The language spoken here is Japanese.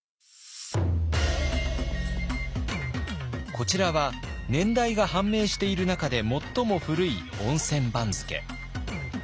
こちらは年代が判明している中で最も古い温泉番付。